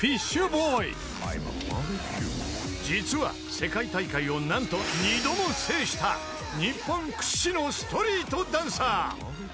［実は世界大会を何と２度も制した日本屈指のストリートダンサー］